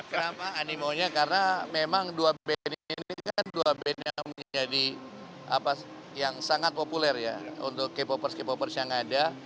kenapa animonya karena memang dua band ini kan dua band yang menjadi yang sangat populer ya untuk k popers k popers yang ada